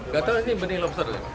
gatal ini benih lobster ya